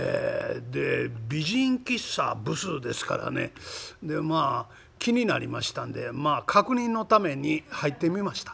で美人喫茶ブスですからねでまあ気になりましたんで確認のために入ってみました。